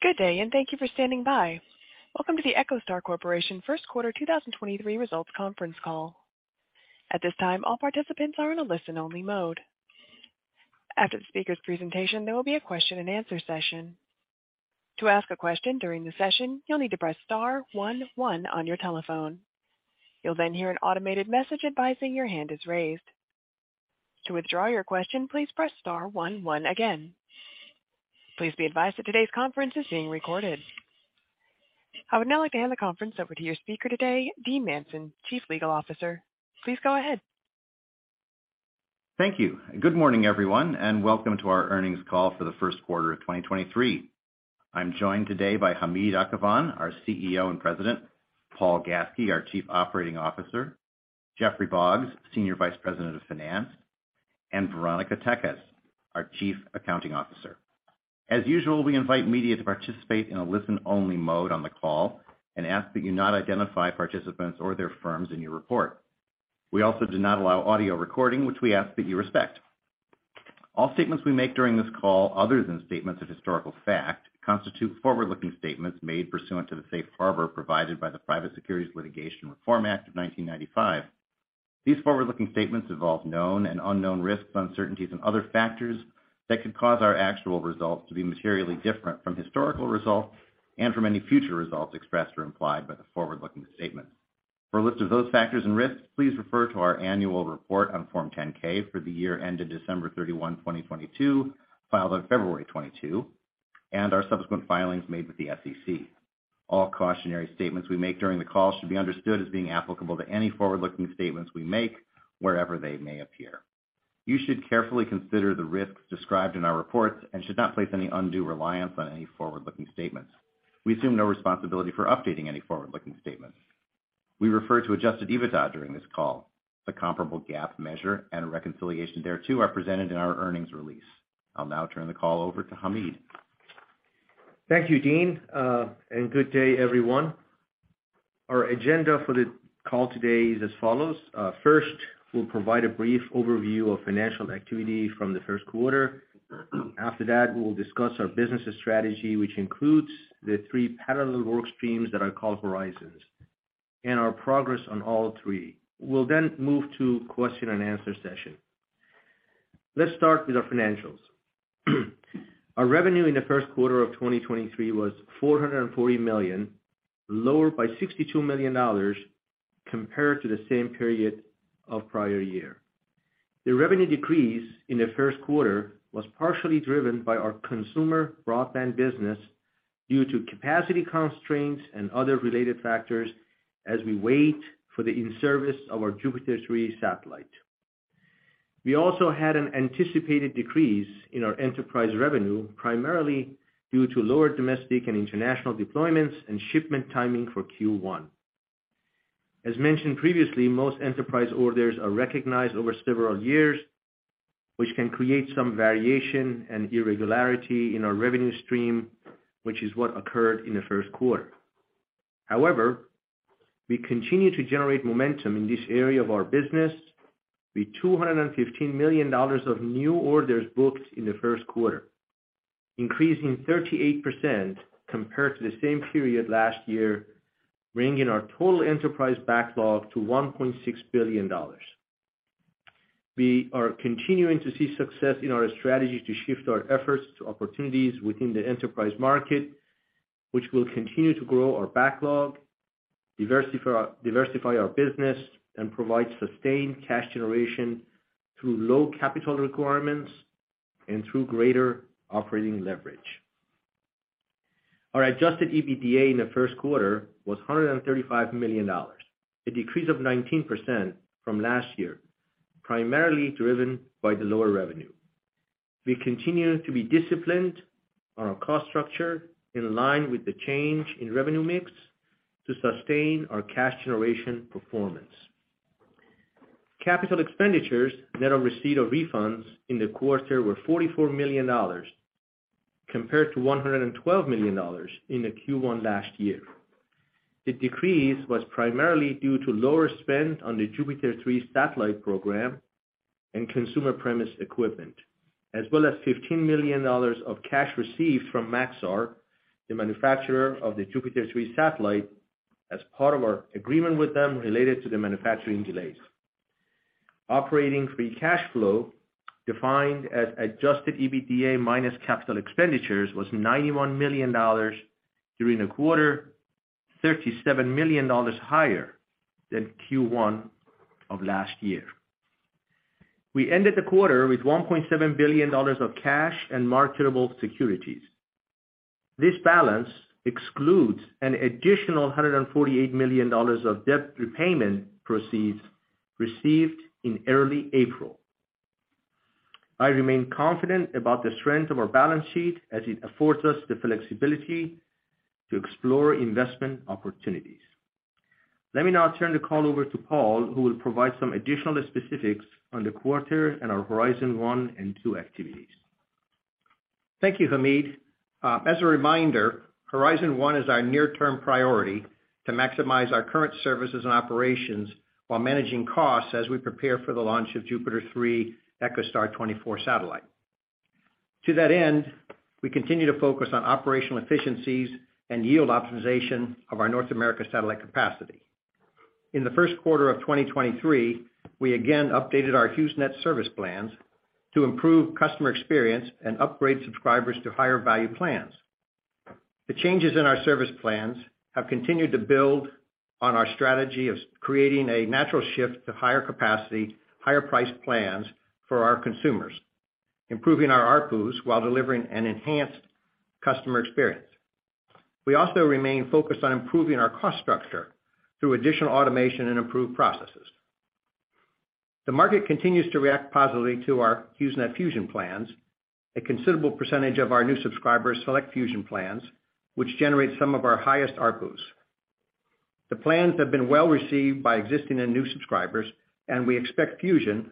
Good day, thank you for standing by. Welcome to the EchoStar Corporation first quarter 2023 results conference call. At this time, all participants are in a listen-only mode. After the speaker's presentation, there will be a question-and-answer session. To ask a question during the session, you'll need to press star-one-one on your telephone. You'll hear an automated message advising your hand is raised. To withdraw your question, please press star-one-one again. Please be advised that today's conference is being recorded. I would now like to hand the conference over to your speaker today, Dean Manson, Chief Legal Officer. Please go ahead. Thank you. Good morning, everyone, and welcome to our earnings call for the first quarter of 2023. I'm joined today by Hamid Akhavan, our CEO and President, Paul Gaske, our Chief Operating Officer, Jeffrey Boggs, Senior Vice President of Finance, and Veronika Takacs, our Chief Accounting Officer. As usual, we invite media to participate in a listen-only mode on the call and ask that you not identify participants or their firms in your report. We also do not allow audio recording, which we ask that you respect. All statements we make during this call, other than statements of historical fact, constitute forward-looking statements made pursuant to the Safe Harbor provided by the Private Securities Litigation Reform Act of 1995. These forward-looking statements involve known and unknown risks, uncertainties, and other factors that could cause our actual results to be materially different from historical results and from any future results expressed or implied by the forward-looking statements. For a list of those factors and risks, please refer to our annual report on Form 10-K for the year ended December 31, 2022, filed on February 22, and our subsequent filings made with the SEC. All cautionary statements we make during the call should be understood as being applicable to any forward-looking statements we make wherever they may appear. You should carefully consider the risks described in our reports and should not place any undue reliance on any forward-looking statements. We assume no responsibility for updating any forward-looking statements. We refer to adjusted EBITDA during this call. The comparable GAAP measure and reconciliation thereto are presented in our earnings release. I'll now turn the call over to Hamid. Thank you, Dean, and good day everyone. Our agenda for the call today is as follows. First, we'll provide a brief overview of financial activity from the first quarter. After that, we will discuss our business strategy, which includes the three parallel work streams that are called Horizons and our progress on all three. We'll then move to question-and-answer session. Let's start with our financials. Our revenue in the first quarter of 2023 was $440 million, lower by $62 million compared to the same period of prior year. The revenue decrease in the first quarter was partially driven by our consumer broadband business due to capacity constraints and other related factors as we wait for the in-service of our JUPITER 3 satellite. We also had an anticipated decrease in our enterprise revenue, primarily due to lower domestic and international deployments and shipment timing for Q1. As mentioned previously, most enterprise orders are recognized over several years, which can create some variation and irregularity in our revenue stream, which is what occurred in the first quarter. We continue to generate momentum in this area of our business with $215 million of new orders booked in the first quarter, increasing 38% compared to the same period last year, bringing our total enterprise backlog to $1.6 billion. We are continuing to see success in our strategy to shift our efforts to opportunities within the enterprise market, which will continue to grow our backlog, diversify our business, and provide sustained cash generation through low capital requirements and through greater operating leverage. Our adjusted EBITDA in the first quarter was $135 million, a decrease of 19% from last year, primarily driven by the lower revenue. We continue to be disciplined on our cost structure in line with the change in revenue mix to sustain our cash generation performance. Capital expenditures net of receipt of refunds in the quarter were $44 million compared to $112 million in the Q1 last year. The decrease was primarily due to lower spend on the JUPITER 3 satellite program and consumer premise equipment, as well as $15 million of cash received from Maxar, the manufacturer of the JUPITER 3 satellite, as part of our agreement with them related to the manufacturing delays. Operating free cash flow, defined as adjusted EBITDA minus capital expenditures, was $91 million during the quarter, $37 million higher than Q1 of last year. We ended the quarter with $1.7 billion of cash and marketable securities. This balance excludes an additional $148 million of debt repayment proceeds received in early April. I remain confident about the strength of our balance sheet as it affords us the flexibility to explore investment opportunities. Let me now turn the call over to Paul, who will provide some additional specifics on the quarter and our Horizon 1 and 2 activities. Thank you, Hamid. As a reminder, Horizon 1 is our near-term priority. To maximize our current services and operations while managing costs as we prepare for the launch of JUPITER 3 EchoStar XXIV satellite. To that end, we continue to focus on operational efficiencies and yield optimization of our North America satellite capacity. In the first quarter of 2023, we again updated our HughesNet service plans to improve customer experience and upgrade subscribers to higher value plans. The changes in our service plans have continued to build on our strategy of creating a natural shift to higher capacity, higher priced plans for our consumers, improving our ARPU while delivering an enhanced customer experience. We also remain focused on improving our cost structure through additional automation and improved processes. The market continues to react positively to our HughesNet Fusion plans. A considerable percentage of our new subscribers select Fusion plans, which generate some of our highest ARPUs. The plans have been well-received by existing and new subscribers. We expect Fusion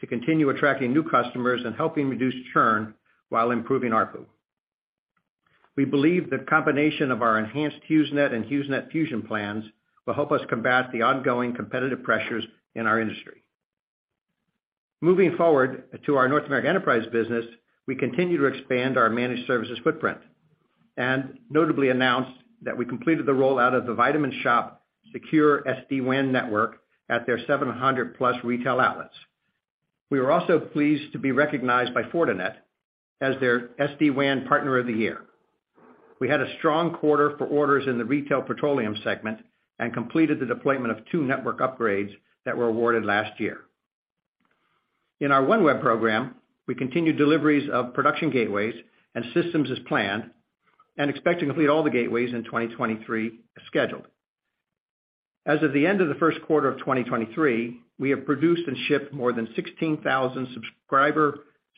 to continue attracting new customers and helping reduce churn while improving ARPU. We believe the combination of our enhanced HughesNet and HughesNet Fusion plans will help us combat the ongoing competitive pressures in our industry. Moving forward to our North American enterprise business, we continue to expand our managed services footprint, and notably announced that we completed the rollout of The Vitamin Shoppe secure SD-WAN network at their 700+ retail outlets. We were also pleased to be recognized by Fortinet as their SD-WAN Partner of the Year. We had a strong quarter for orders in the retail petroleum segment and completed the deployment of two network upgrades that were awarded last year. In our OneWeb program, we continued deliveries of production gateways and systems as planned and expect to complete all the gateways in 2023 as scheduled. As of the end of the first quarter of 2023, we have produced and shipped more than 16,000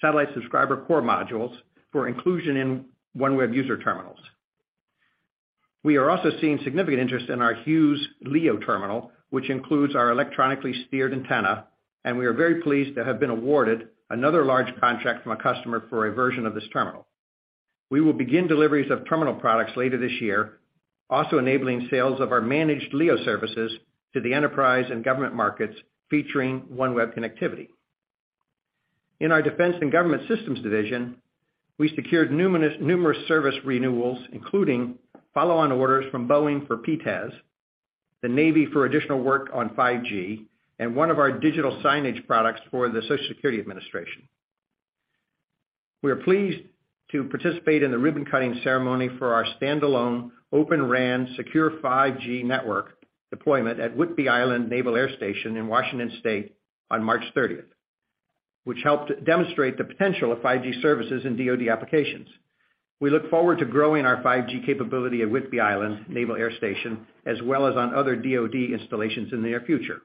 satellite subscriber core modules for inclusion in OneWeb user terminals. We are also seeing significant interest in our Hughes LEO terminal, which includes our electronically steered antenna, and we are very pleased to have been awarded another large contract from a customer for a version of this terminal. We will begin deliveries of terminal products later this year, also enabling sales of our managed LEO services to the enterprise and government markets, featuring OneWeb connectivity. In our defense and government systems division, we secured numerous service renewals, including follow-on orders from Boeing for PTES, the Navy for additional work on 5G, and one of our digital signage products for the Social Security Administration. We are pleased to participate in the ribbon-cutting ceremony for our standalone Open RAN secure 5G network deployment at Whidbey Island Naval Air Station in Washington state on March 30th, which helped demonstrate the potential of 5G services in DoD applications. We look forward to growing our 5G capability at Whidbey Island Naval Air Station, as well as on other DoD installations in the near future.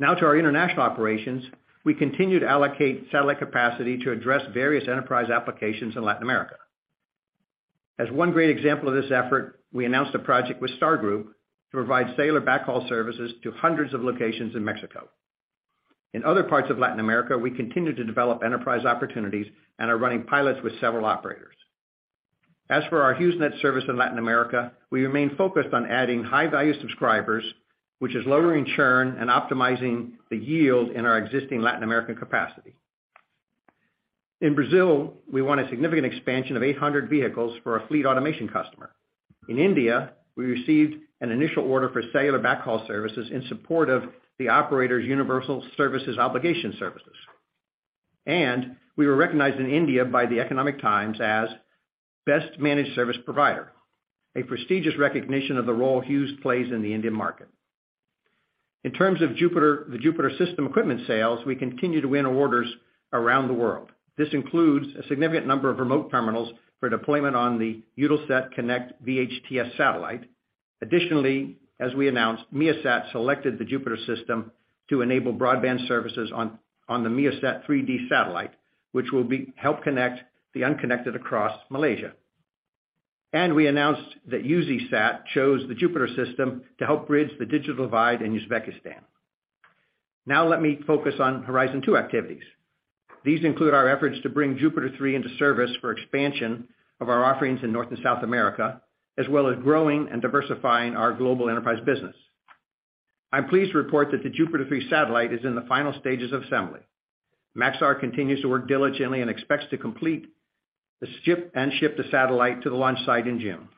To our international operations. We continue to allocate satellite capacity to address various enterprise applications in Latin America. As one great example of this effort, we announced a project with Stargroup to provide cellular backhaul services to hundreds of locations in Mexico. In other parts of Latin America, we continue to develop enterprise opportunities and are running pilots with several operators. As for our HughesNet service in Latin America, we remain focused on adding high-value subscribers, which is lowering churn and optimizing the yield in our existing Latin American capacity. In Brazil, we won a significant expansion of 800 vehicles for a fleet automation customer. In India, we received an initial order for cellular backhaul services in support of the operator's universal services obligation services. We were recognized in India by the Economic Times as Best Managed Service Provider, a prestigious recognition of the role Hughes plays in the Indian market. In terms of the JUPITER System equipment sales, we continue to win orders around the world. This includes a significant number of remote terminals for deployment on the Eutelsat Konnect VHTS satellite. Additionally, as we announced, MEASAT selected the JUPITER System to enable broadband services on the MEASAT-3d satellite, which will help connect the unconnected across Malaysia. We announced that UZ-SAT chose the JUPITER System to help bridge the digital divide in Uzbekistan. Let me focus on Horizon 2 activities. These include our efforts to bring JUPITER 3 into service for expansion of our offerings in North and South America, as well as growing and diversifying our global enterprise business. I'm pleased to report that the JUPITER 3 satellite is in the final stages of assembly. Maxar continues to work diligently and expects to complete and ship the satellite to the launch site in June.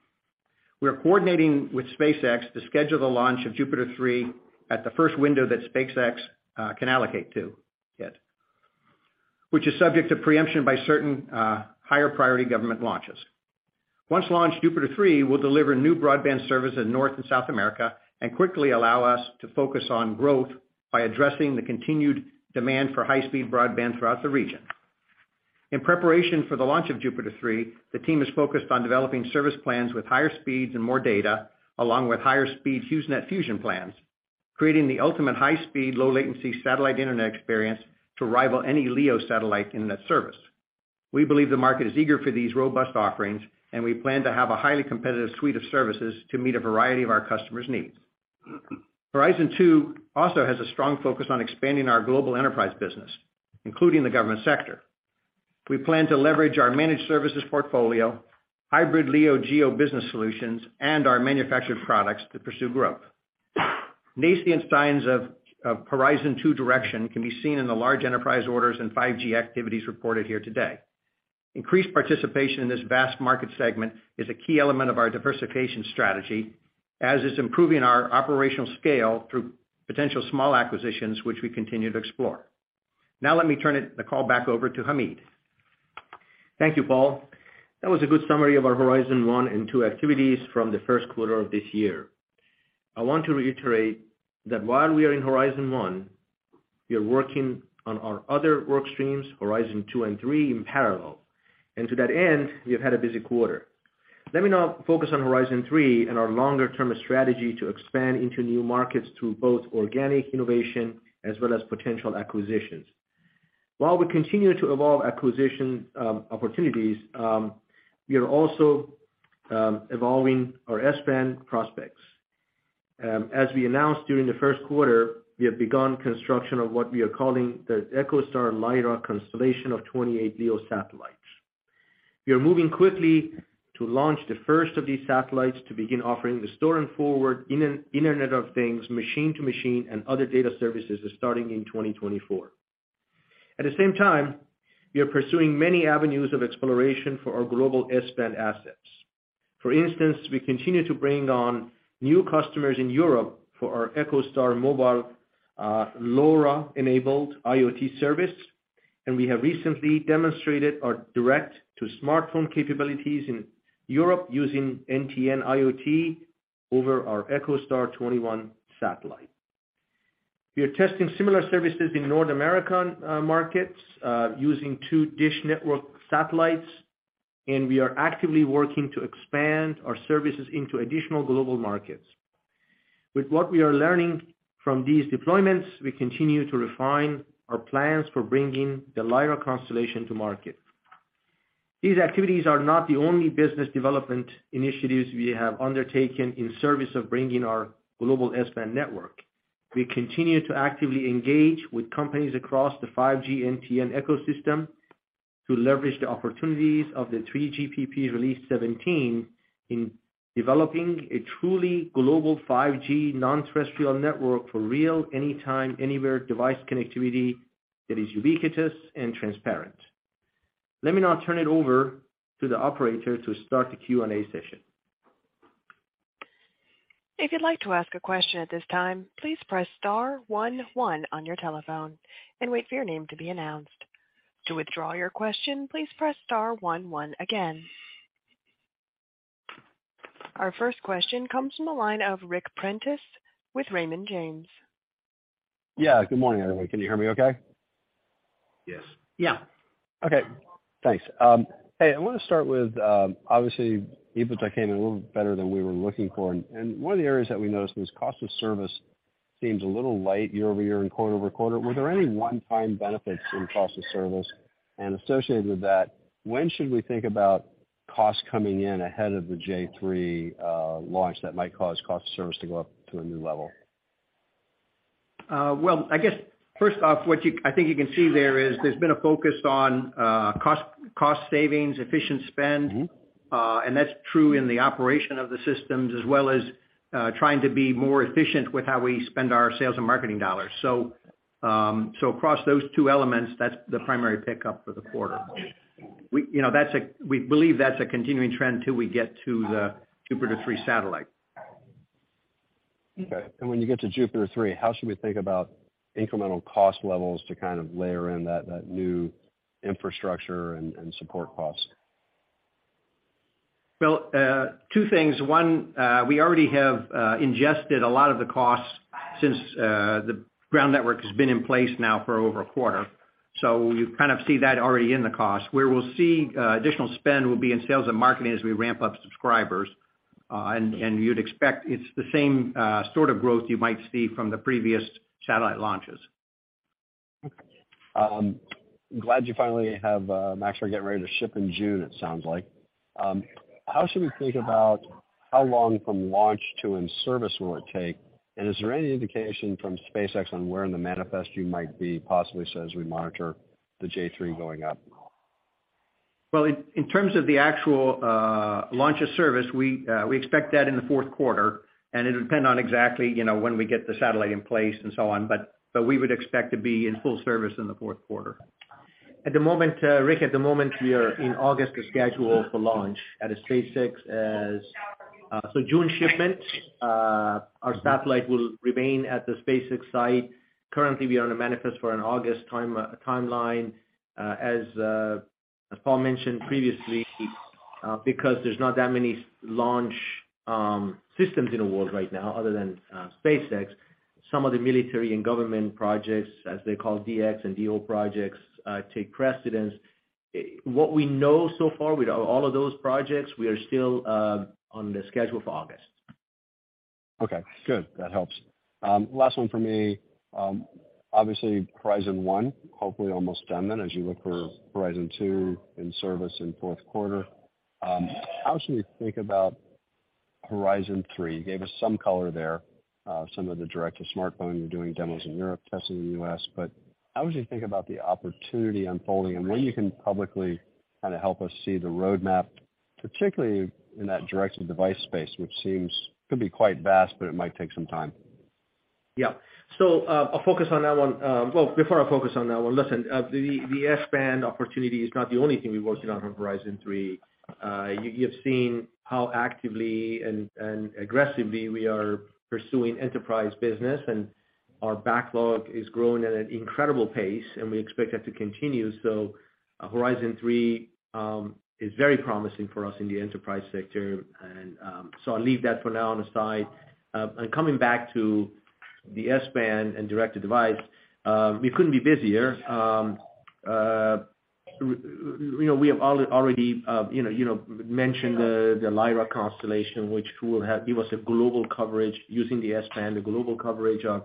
We are coordinating with SpaceX to schedule the launch of JUPITER 3 at the first window that SpaceX can allocate to it, which is subject to preemption by certain higher priority government launches. Once launched, JUPITER 3 will deliver new broadband service in North and South America and quickly allow us to focus on growth by addressing the continued demand for high-speed broadband throughout the region. In preparation for the launch of JUPITER 3, the team is focused on developing service plans with higher speeds and more data, along with higher speed HughesNet Fusion plans, creating the ultimate high-speed, low latency satellite internet experience to rival any LEO satellite internet service. We believe the market is eager for these robust offerings, and we plan to have a highly competitive suite of services to meet a variety of our customers' needs. Horizon 2 also has a strong focus on expanding our global enterprise business, including the government sector. We plan to leverage our managed services portfolio, hybrid LEO GEO business solutions, and our manufactured products to pursue growth. Nascent signs of Horizon 2 direction can be seen in the large enterprise orders and 5G activities reported here today. Increased participation in this vast market segment is a key element of our diversification strategy, as is improving our operational scale through potential small acquisitions which we continue to explore. Let me turn the call back over to Hamid. Thank you, Paul. That was a good summary of our Horizon 1 and 2 activities from the first quarter of this year. I want to reiterate that while we are in Horizon 1, we are working on our other work streams, Horizon 2 and 3, in parallel. To that end, we have had a busy quarter. Let me now focus on Horizon 3 and our longer-term strategy to expand into new markets through both organic innovation as well as potential acquisitions. While we continue to evolve acquisition opportunities, we are also evolving our S-band prospects. As we announced during the first quarter, we have begun construction of what we are calling the EchoStar Lyra constellation of 28 LEO satellites. We are moving quickly to launch the first of these satellites to begin offering the store and forward Internet of Things, machine-to-machine, and other data services starting in 2024. At the same time, we are pursuing many avenues of exploration for our global S-band assets. For instance, we continue to bring on new customers in Europe for our EchoStar Mobile LoRa-enabled IoT service, and we have recently demonstrated our direct-to-smartphone capabilities in Europe using NTN IoT over our EchoStar XXI satellite. We are testing similar services in North American markets using 2 DISH Network satellites, and we are actively working to expand our services into additional global markets. With what we are learning from these deployments, we continue to refine our plans for bringing the Lyra constellation to market. These activities are not the only business development initiatives we have undertaken in service of bringing our global S-band network. We continue to actively engage with companies across the 5G NTN ecosystem to leverage the opportunities of the 3GPP Release 17 in developing a truly global 5G non-terrestrial network for real anytime, anywhere device connectivity that is ubiquitous and transparent. Let me now turn it over to the operator to start the Q&A session. If you'd like to ask a question at this time, please press star one one on your telephone and wait for your name to be announced. To withdraw your question, please press star one one again. Our first question comes from the line of Ric Prentiss with Raymond James. Good morning, everyone. Can you hear me okay? Yes. Yeah. Okay. Thanks. hey, I wanna start with, obviously, EBIT came in a little better than we were looking for, and one of the areas that we noticed was cost of service seems a little light year-over-year and quarter-over-quarter. Were there any one-time benefits in cost of service? Associated with that, when should we think about costs coming in ahead of the J-III launch that might cause cost of service to go up to a new level? Well, I guess first off, I think you can see there is there's been a focus on cost savings, efficient spend. Mm-hmm. That's true in the operation of the systems, as well as, trying to be more efficient with how we spend our sales and marketing dollars. Across those two elements, that's the primary pickup for the quarter. We, you know, We believe that's a continuing trend till we get to the JUPITER 3 satellite. Okay. When you get to JUPITER 3, how should we think about incremental cost levels to kind of layer in that new infrastructure and support costs? Well, two things. One, we already have ingested a lot of the costs since the ground network has been in place now for over a quarter. You kind of see that already in the cost. Where we'll see additional spend will be in sales and marketing as we ramp up subscribers. You'd expect it's the same sort of growth you might see from the previous satellite launches. Okay. glad you finally have, actually getting ready to ship in June, it sounds like. How should we think about how long from launch to in service will it take? Is there any indication from SpaceX on where in the manifest you might be, possibly say, as we monitor the J-III going up? Well, in terms of the actual launch of service, we expect that in the fourth quarter. It would depend on exactly, you know, when we get the satellite in place and so on. We would expect to be in full service in the fourth quarter. At the moment, Ric, at the moment, we are in August schedule for launch at SpaceX as so June shipment, our satellite will remain at the SpaceX site. Currently, we are on a manifest for an August time timeline. Paul mentioned previously, because there's not that many launch systems in the world right now other than SpaceX, some of the military and government projects, as they call DX and DO projects, take precedence. What we know so far with all of those projects, we are still on the schedule for August. Okay. Good. That helps. Last one for me? Obviously Horizon 1, hopefully almost done then as you look for Horizon 2 in service in fourth quarter. How should we think about Horizon 3? You gave us some color there, some of the direct-to-smartphone. You're doing demos in Europe, testing in the U.S. How would you think about the opportunity unfolding and when you can publicly kind of help us see the roadmap, particularly in that directed device space, which seems could be quite vast, but it might take some time? Yeah. I'll focus on that one. Well, before I focus on that one, listen, the S-band opportunity is not the only thing we're working on for Horizon 3. You've seen how actively and aggressively we are pursuing enterprise business, and our backlog is growing at an incredible pace, and we expect that to continue. Horizon 3 is very promising for us in the enterprise sector. I'll leave that for now on the side. Coming back to the S-band and directed device, we couldn't be busier. You know, we have already, you know, mentioned the Lyra constellation, which will have give us a global coverage using the S-band, a global coverage of,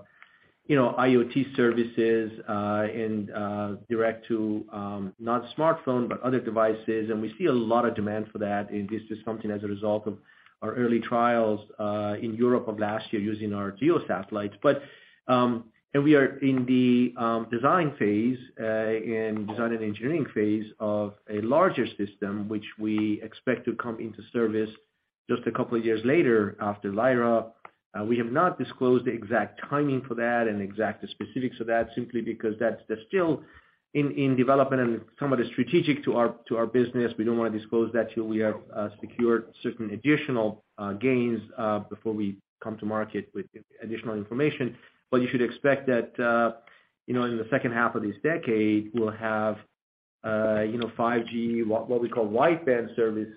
you know, IoT services, direct to not smartphone, but other devices. We see a lot of demand for that. This is something as a result of our early trials in Europe of last year using our GEO satellites. We are in the design phase in design and engineering phase of a larger system which we expect to come into service just a couple of years later after Lyra. We have not disclosed the exact timing for that and exact specifics of that simply because that's still in development and some of the strategic to our business. We don't want to disclose that till we have secured certain additional gains before we come to market with additional information. You should expect that, you know, in the second half of this decade, we'll have, you know, 5G, what we call wideband service,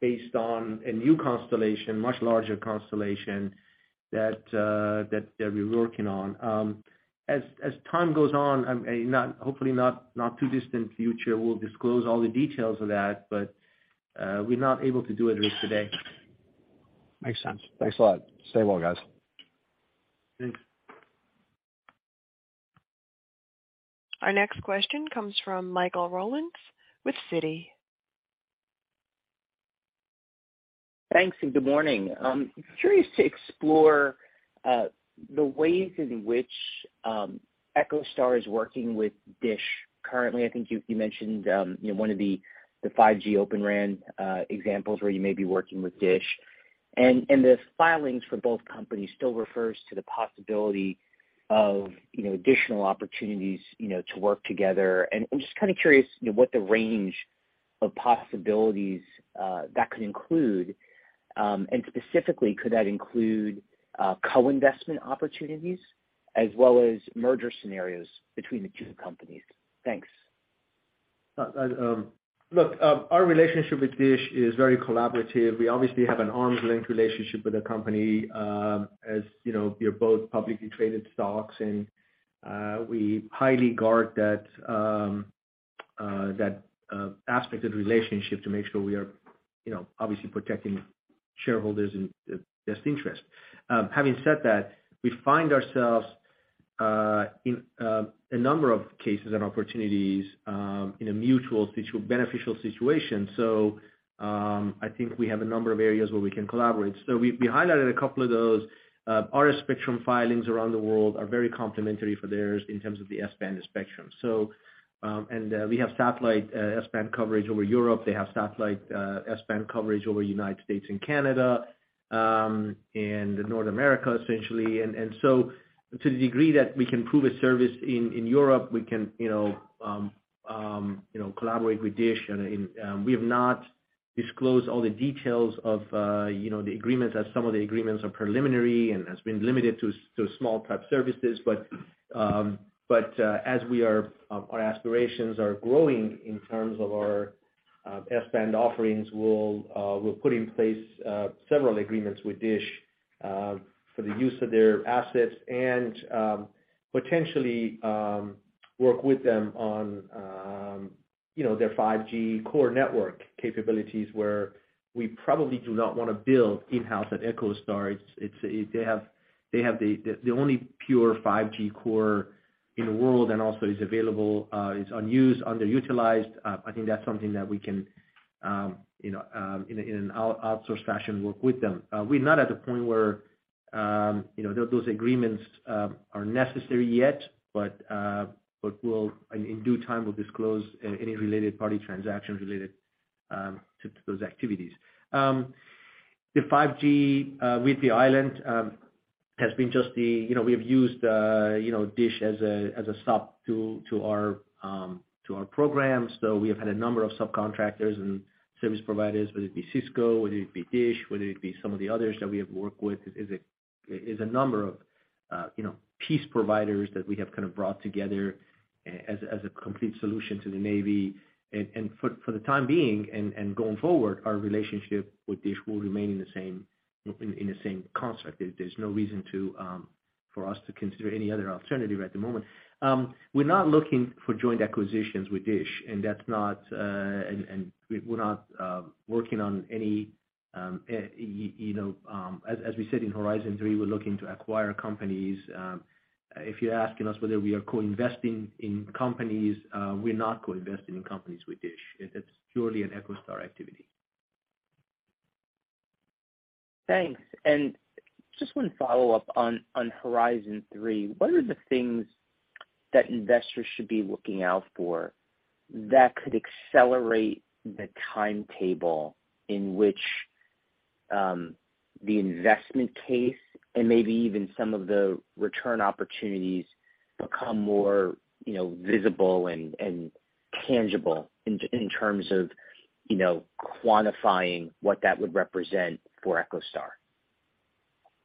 based on a new constellation, much larger constellation that we're working on. As time goes on, hopefully not too distant future, we'll disclose all the details of that but we're not able to do it today. Makes sense. Thanks a lot. Stay well, guys. Thanks. Our next question comes from Michael Rollins with Citi. Thanks, and good morning. Curious to explore the ways in which EchoStar is working with Dish currently. I think you mentioned, you know, one of the 5G Open RAN examples where you may be working with Dish. The filings for both companies still refers to the possibility of, you know, additional opportunities, you know, to work together. I'm just kind of curious, you know, what the range of possibilities that could include. Specifically, could that include co-investment opportunities as well as merger scenarios between the two companies? Thanks. Our relationship with DISH is very collaborative. We obviously have an arm's length relationship with the company, as you know, we are both publicly traded stocks and we highly guard that aspect of the relationship to make sure we are, you know, obviously protecting shareholders in the best interest. Having said that, we find ourselves in a number of cases and opportunities in a mutual beneficial situation. I think we have a number of areas where we can collaborate. We highlighted a couple of those. Our spectrum filings around the world are very complementary for theirs in terms of the S-band spectrum. We have satellite S-band coverage over Europe. They have satellite S-band coverage over United States and Canada and North America, essentially. To the degree that we can prove a service in Europe, we can, you know, collaborate with DISH. We have not disclosed all the details of, you know, the agreements as some of the agreements are preliminary and has been limited to small type services. As we are, our aspirations are growing in terms of our S-band offerings, we'll put in place several agreements with DISH for the use of their assets and potentially work with them on, you know, their 5G core network capabilities where we probably do not wanna build in-house at EchoStar. They have the only pure 5G core in the world and also is available, is unused, underutilized. I think that's something that we can, you know, in an outsource fashion, work with them. We're not at the point where, you know, those agreements are necessary yet, but we'll in due time, we'll disclose any related party transactions related to those activities. The 5G with the island has been just. You know, we have used, you know, DISH as a stop to our program. We have had a number of subcontractors and service providers, whether it be Cisco, whether it be DISH, whether it be some of the others that we have worked with, is a number of, you know, piece providers that we have kind of brought together as a complete solution to the Navy. For the time being and going forward, our relationship with DISH will remain the same, in the same concept. There's no reason to for us to consider any other alternative at the moment. We're not looking for joint acquisitions with DISH, and that's not, and we're not working on any, you know, as we said in Horizon 3, we're looking to acquire companies. If you're asking us whether we are co-investing in companies, we're not co-investing in companies with DISH. It's purely an EchoStar activity. Thanks. Just one follow up on Horizon 3. What are the things that investors should be looking out for that could accelerate the timetable in which the investment case and maybe even some of the return opportunities become more, you know, visible and tangible in terms of, you know, quantifying what that would represent for EchoStar?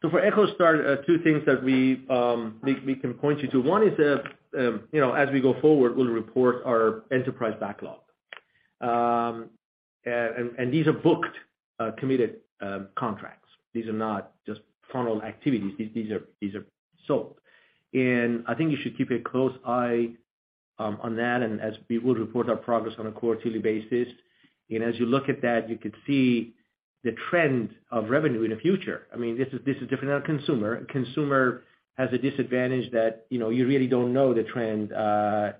For EchoStar, two things that we can point you to. One is that, you know, as we go forward, we'll report our enterprise backlog. And these are booked, committed contracts. These are not just funnel activities. These are sold. I think you should keep a close eye on that. As we will report our progress on a quarterly basis, and as you look at that, you could see the trend of revenue in the future. I mean, this is different than consumer. Consumer has a disadvantage that, you know, you really don't know the trend,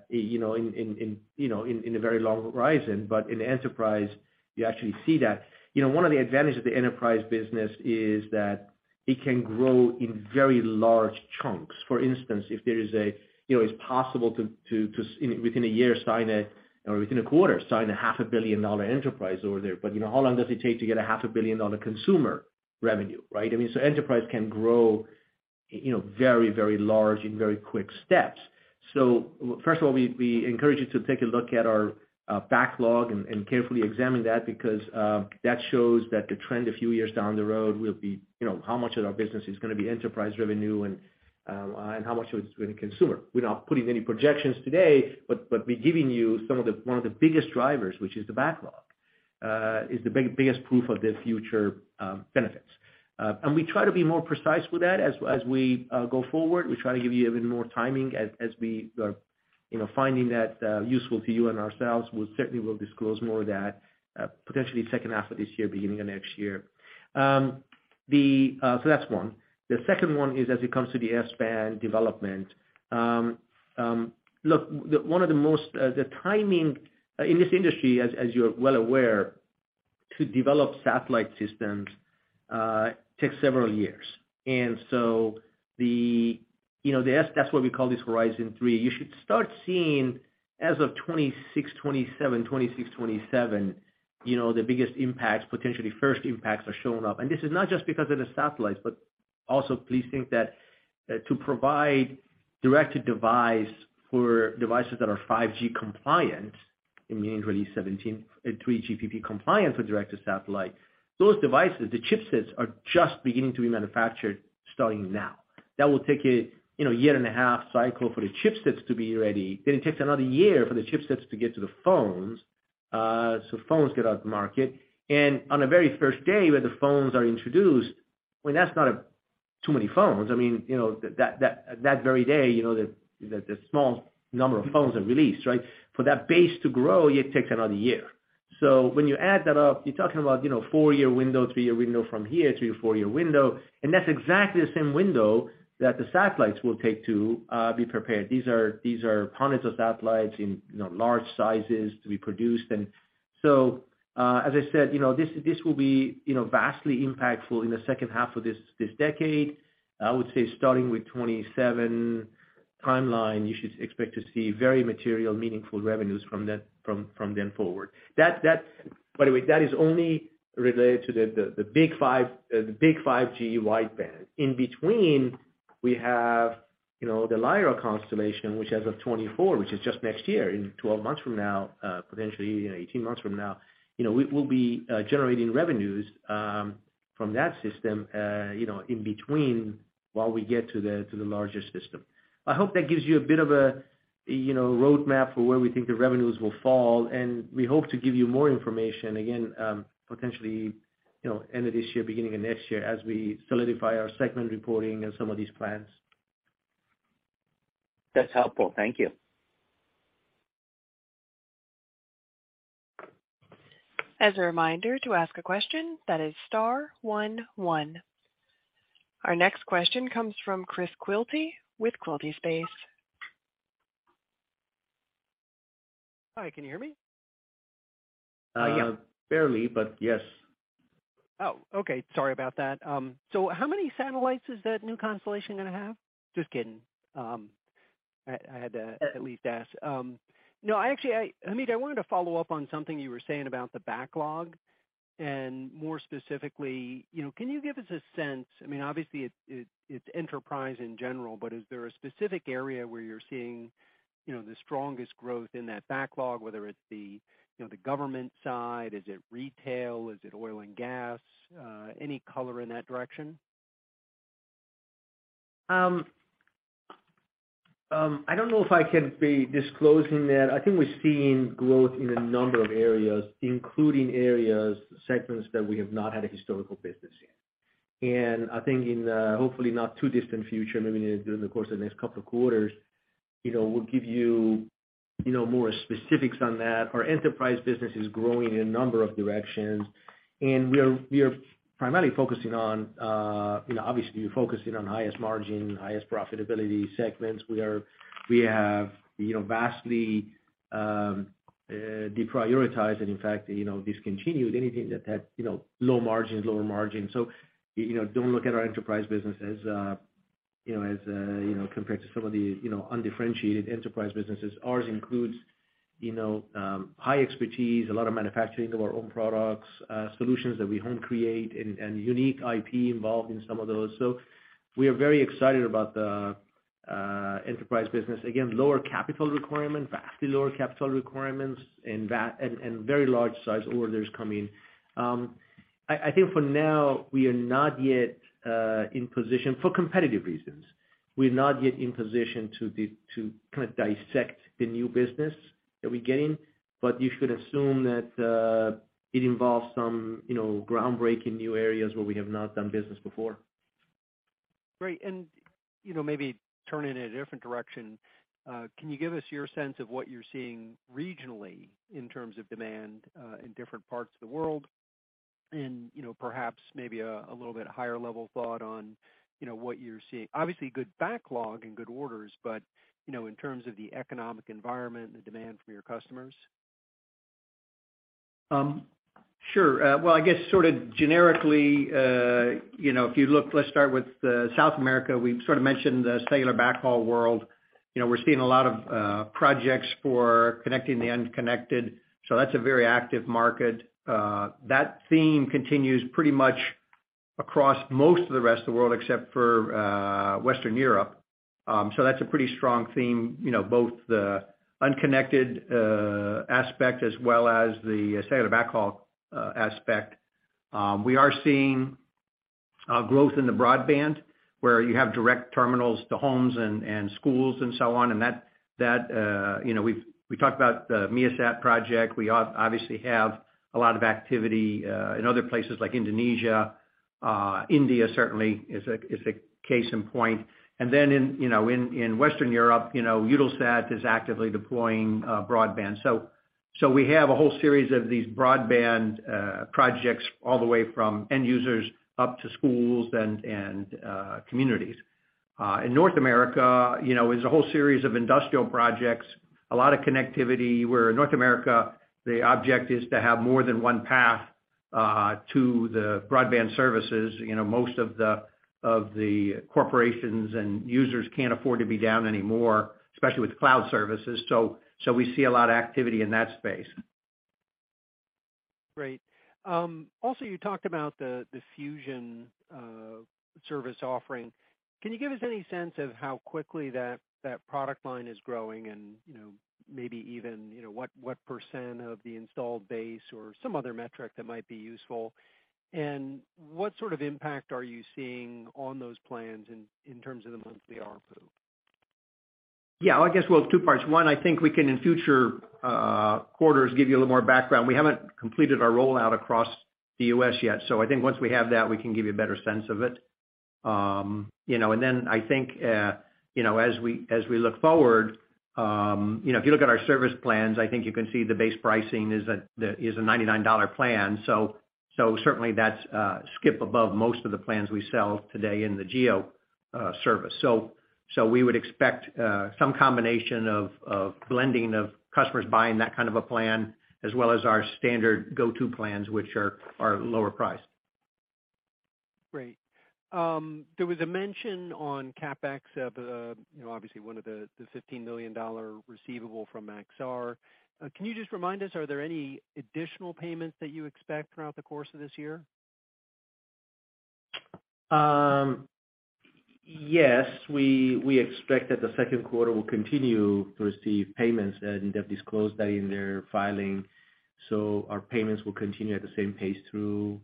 you know, in, in, you know, in a very long horizon. In enterprise, you actually see that. You know, one of the advantages of the enterprise business is that it can grow in very large chunks. For instance, if there is you know, it's possible to within a year sign or within a quarter sign a half a billion-dollar enterprise over there. You know, how long does it take to get a half a billion-dollar consumer revenue, right? I mean, enterprise can grow, you know, very large in very quick steps. First of all, we encourage you to take a look at our backlog and carefully examine that because that shows that the trend a few years down the road will be, you know, how much of our business is gonna be enterprise revenue and how much of it is going to consumer. We're not putting any projections today, but we're giving you one of the biggest drivers, which is the backlog, is the biggest proof of the future benefits. We try to be more precise with that. As we go forward, we try to give you even more timing as we are, you know, finding that useful to you and ourselves. We certainly will disclose more of that potentially second half of this year, beginning of next year. That's one. The second one is as it comes to the S-band development. look, one of the most, the timing in this industry, as you're well aware, to develop satellite systems, takes several years. the, you know, that's why we call this Horizon 3. You should start seeing as of 2026-2027, you know, the biggest impacts, potentially first impacts are showing up. This is not just because of the satellites, but also please think that to provide direct to device for devices that are 5G compliant and Release 17 3GPP compliant with direct to satellite, those devices, the chipsets are just beginning to be manufactured starting now. That will take a, you know, year and a half cycle for the chipsets to be ready. It takes another year for the chipsets to get to the phones, so phones get out to market. On the very first day where the phones are introduced, I mean, that's not too many phones. I mean, you know, that very day, you know, the small number of phones are released, right? For that base to grow, it takes another year. When you add that up, you're talking about, you know, four-year window, three-year window from here, three-to-four-year window. That's exactly the same window that the satellites will take to be prepared. These are tons of satellites in, you know, large sizes to be produced. As I said, you know, this will be, you know, vastly impactful in the second half of this decade. I would say starting with 2027 timeline, you should expect to see very material, meaningful revenues from then, from then forward. That's by the way, that is only related to the big five, the big 5G wideband. In between, we have, you know, the Lyra constellation, which as of 2024, which is just next year, in 12 months from now, potentially 18 months from now, you know, we'll be generating revenues from that system, you know, in between while we get to the larger system. I hope that gives you a bit of a, you know, roadmap for where we think the revenues will fall, and we hope to give you more information again, potentially, you know, end of this year, beginning of next year as we solidify our segment reporting and some of these plans. That's helpful. Thank you. As a reminder, to ask a question that is star one one. Our next question comes from Chris Quilty with Quilty Space. Hi, can you hear me? barely, but yes. Oh, okay. Sorry about that. How many satellites is that new constellation gonna have? Just kidding. I had to at least ask. No, I actually, Hamid, I wanted to follow up on something you were saying about the backlog. More specifically, you know, can you give us a sense, I mean, obviously it's enterprise in general, but is there a specific area where you're seeing, you know, the strongest growth in that backlog, whether it's the, you know, the government side? Is it retail? Is it oil and gas? Any color in that direction? I don't know if I can be disclosing that. I think we're seeing growth in a number of areas, including areas, segments that we have not had a historical business in. I think in a hopefully not too distant future, maybe during the course of the next couple of quarters, you know, we'll give you know, more specifics on that. Our enterprise business is growing in a number of directions. We are primarily focusing on, you know, obviously we're focusing on highest margin, highest profitability segments. We have, you know, vastly deprioritize and in fact, you know, discontinued anything that had, you know, low margins, lower margin. You know, don't look at our enterprise business as, you know, as, you know, compared to some of the, you know, undifferentiated enterprise businesses. Ours includes, you know, high expertise, a lot of manufacturing of our own products, solutions that we don't create, and unique IP involved in some of those. We are very excited about the enterprise business. Again, lower capital requirement, vastly lower capital requirements and very large size orders coming. I think for now, we are not yet in position for competitive reasons. We're not yet in position to kind of dissect the new business that we're getting. You should assume that it involves some, you know, groundbreaking new areas where we have not done business before. Great. You know, maybe turn it in a different direction. Can you give us your sense of what you're seeing regionally in terms of demand, in different parts of the world? You know, perhaps maybe a little bit higher level thought on, you know, what you're seeing. Obviously, good backlog and good orders, but, you know, in terms of the economic environment and the demand from your customers. Sure. Well, I guess sort of generically, you know, if you look, let's start with South America. We sort of mentioned the cellular backhaul world. You know, we're seeing a lot of projects for connecting the unconnected, so that's a very active market. That theme continues pretty much across most of the rest of the world, except for Western Europe. So that's a pretty strong theme, you know, both the unconnected aspect as well as the cellular backhaul aspect. We are seeing growth in the broadband where you have direct terminals to homes and schools and so on, and that, you know, we've, we talked about the MEASAT project. We obviously have a lot of activity in other places like Indonesia, India certainly is a case in point. In, you know, in Western Europe, you know, Eutelsat is actively deploying broadband. We have a whole series of these broadband projects all the way from end users up to schools and communities. In North America, you know, is a whole series of industrial projects, a lot of connectivity, where in North America the object is to have more than one path to the broadband services. You know, most of the corporations and users can't afford to be down anymore, especially with cloud services. We see a lot of activity in that space. Great. also, you talked about the Fusion service offering. Can you give us any sense of how quickly that product line is growing and, you know, maybe even, you know, what % of the installed base or some other metric that might be useful? What sort of impact are you seeing on those plans in terms of the monthly ARPU? Yeah, I guess, well, two parts. One, I think we can in future quarters give you a little more background. We haven't completed our rollout across the U.S. yet. I think once we have that, we can give you a better sense of it. You know, then I think, you know, as we, as we look forward, you know, if you look at our service plans, I think you can see the base pricing is a, the, is a $99 plan. So certainly that's skip above most of the plans we sell today in the GEO service. So we would expect some combination of blending of customers buying that kind of a plan as well as our standard go-to plans, which are lower priced. Great. There was a mention on CapEx of, you know, obviously one of the $15 million receivable from Maxar. Can you just remind us, are there any additional payments that you expect throughout the course of this year? Yes. We expect that the second quarter will continue to receive payments, and they've disclosed that in their filing. Our payments will continue at the same pace through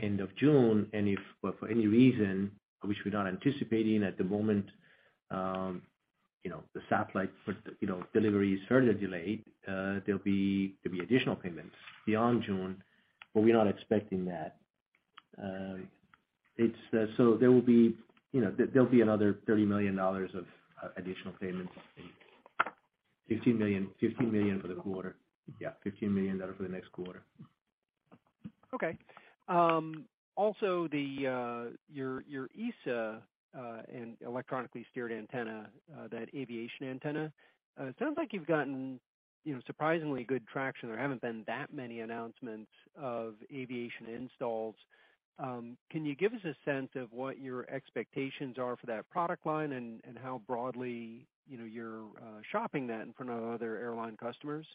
end of June. If, but for any reason, which we're not anticipating at the moment, you know, the satellite for you know, delivery is further delayed, there'll be additional payments beyond June, but we're not expecting that. It's, there will be, you know, there'll be another $30 million of additional payments. $15 million. $15 million for the quarter. Yeah, $15 million for the next quarter. Okay. Also, your ESA and electronically steered antenna, that aviation antenna. It sounds like you've gotten, you know, surprisingly good traction. There haven't been that many announcements of aviation installs. Can you give us a sense of what your expectations are for that product line and how broadly, you know, you're shopping that in front of other airline customers?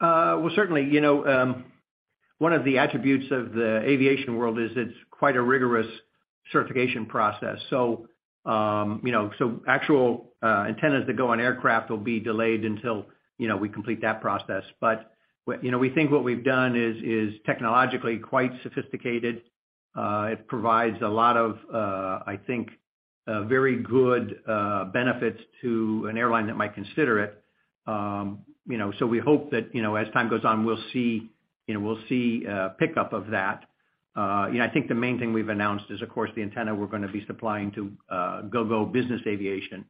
Well, certainly, you know, one of the attributes of the aviation world is it's quite a rigorous certification process. You know, actual antennas that go on aircraft will be delayed until, you know, we complete that process. We, you know, we think what we've done is technologically quite sophisticated. It provides a lot of, I think, very good benefits to an airline that might consider it. You know, we hope that, you know, as time goes on, we'll see, you know, we'll see pickup of that. You know, I think the main thing we've announced is, of course, the antenna we're gonna be supplying to Gogo Business Aviation,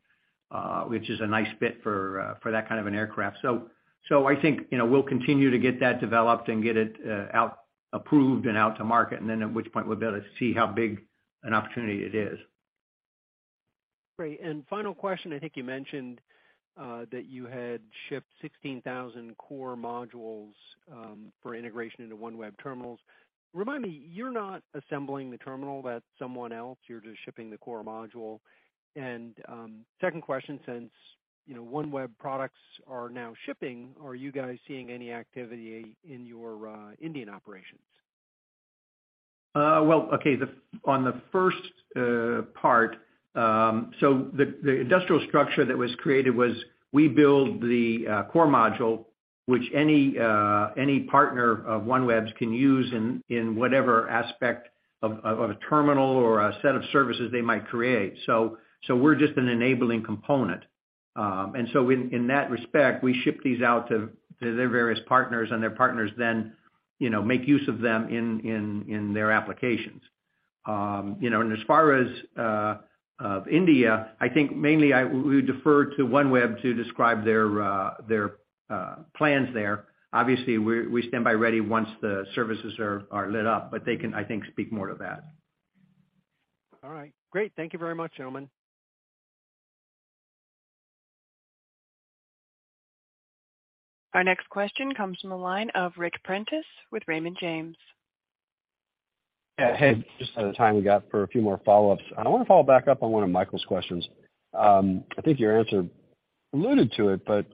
which is a nice fit for that kind of an aircraft. I think, you know, we'll continue to get that developed and get it out, approved and out to market. At which point we'll be able to see how big an opportunity it is. Great. Final question, I think you mentioned that you had shipped 16,000 core modules for integration into OneWeb terminals. Remind me, you're not assembling the terminal, that's someone else, you're just shipping the core module. Second question, since, you know, OneWeb products are now shipping, are you guys seeing any activity in your Indian operations? Well, okay. On the first part, the industrial structure that was created was we build the core module, which any partner of OneWeb's can use in whatever aspect of a terminal or a set of services they might create. We're just an enabling component. In that respect, we ship these out to their various partners, and their partners then, you know, make use of them in their applications. you know, as far as India, I think mainly we would defer to OneWeb to describe their plans there. Obviously, we stand by ready once the services are lit up, but they can, I think, speak more to that. All right. Great. Thank you very much, Hamid. Our next question comes from the line of Ric Prentiss with Raymond James. Yeah, hey, just out of time, we got for a few more follow-ups. I wanna follow back up on one of Michael's questions. I think your answer alluded to it, but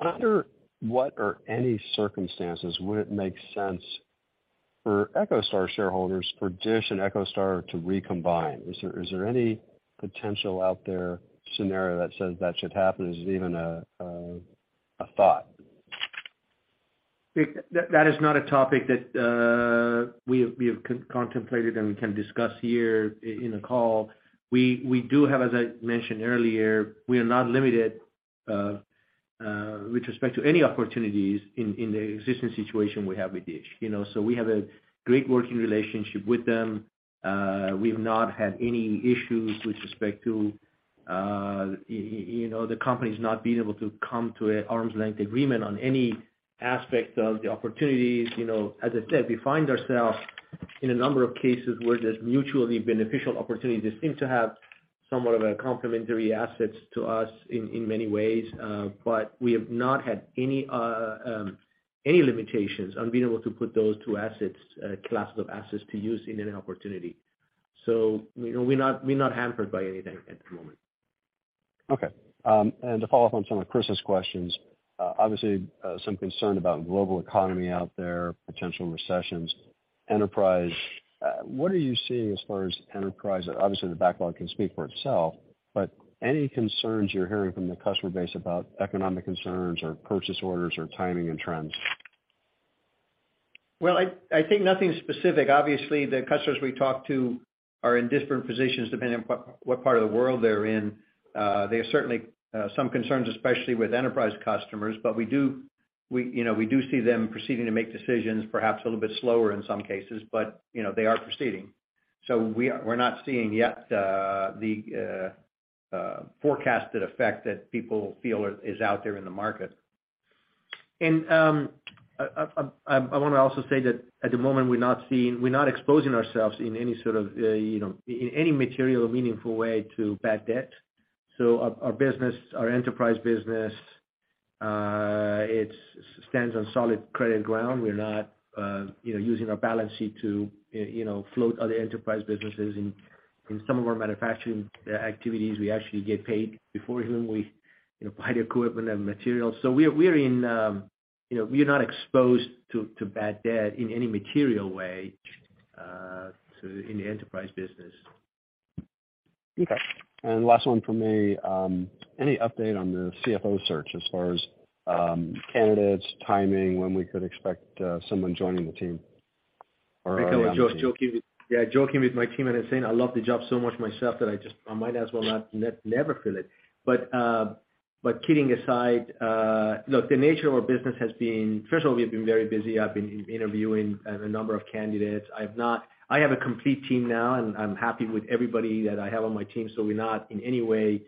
under what or any circumstances would it make sense for EchoStar shareholders, for DISH and EchoStar to recombine? Is there any potential out there scenario that says that should happen? Is it even a thought? That is not a topic that we have contemplated and we can discuss here in the call. We do have, as I mentioned earlier, we are not limited with respect to any opportunities in the existing situation we have with DISH, you know. We have a great working relationship with them. We've not had any issues with respect to you know, the companies not being able to come to an arm's length agreement on any aspect of the opportunities. You know, as I said, we find ourselves in a number of cases where there's mutually beneficial opportunities. They seem to have somewhat of a complementary asset to us in many ways, but we have not had any limitations on being able to put those two assets, classes of assets to use in an opportunity. You know, we're not hampered by anything at the moment. Okay. To follow up on some of Chris's questions, obviously, some concern about global economy out there, potential recessions, enterprise. What are you seeing as far as enterprise? Obviously, the backlog can speak for itself, but any concerns you're hearing from the customer base about economic concerns or purchase orders or timing and trends? Well, I think nothing specific. Obviously, the customers we talk to are in different positions depending on what part of the world they're in. There are certainly some concerns, especially with enterprise customers, but we do see them proceeding to make decisions, perhaps a little bit slower in some cases, but, you know, they are proceeding. We're not seeing yet the forecasted effect that people feel is out there in the market. I wanna also say that at the moment, we're not exposing ourselves in any sort of, you know, in any material or meaningful way to bad debt. Our business, our enterprise business, it's stands on solid credit ground. We're not, you know, using our balance sheet to, you know, float other enterprise businesses. In some of our manufacturing, activities, we actually get paid before even we, you know, buy the equipment and materials. We are in, you know, we are not exposed to bad debt in any material way, so in the enterprise business. Okay. Last one from me. Any update on the CFO search as far as candidates, timing, when we could expect someone joining the team? I was just joking with, joking with my team and saying I love the job so much myself that I just, I might as well never fill it. Kidding aside, look, the nature of our business has been. First of all, we have been very busy. I've been interviewing a number of candidates. I have a complete team now, and I'm happy with everybody that I have on my team. We're not in any way,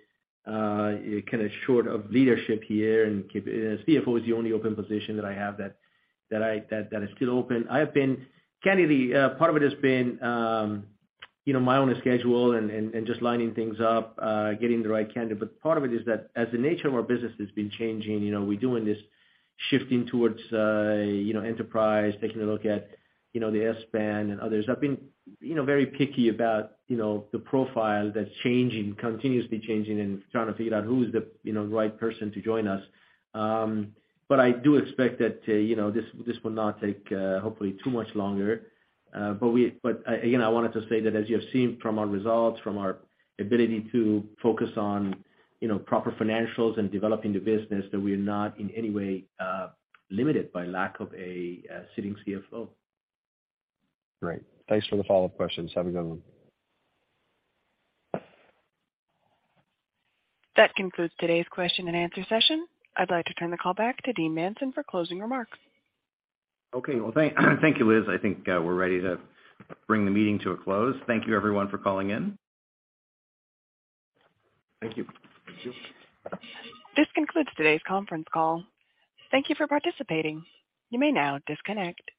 kinda short of leadership here. CFO is the only open position that I have that is still open. Candidly, part of it has been, you know, my own schedule and just lining things up, getting the right candidate. Part of it is that as the nature of our business has been changing, you know, we're doing this shifting towards, you know, enterprise, taking a look at, you know, the S-band and others. I've been, you know, very picky about, you know, the profile that's changing, continuously changing and trying to figure out who's the, you know, the right person to join us. But I do expect that, you know, this will not take, hopefully too much longer, but again, I wanted to say that as you have seen from our results, from our ability to focus on, you know, proper financials and developing the business, that we are not in any way limited by lack of a sitting CFO. Great. Thanks for the follow-up questions. Have a good one. That concludes today's question and answer session. I'd like to turn the call back to Dean Manson for closing remarks. Okay. Well, thank you, Liz. I think we're ready to bring the meeting to a close. Thank you everyone for calling in. Thank you. Thank you. This concludes today's conference call. Thank you for participating. You may now disconnect.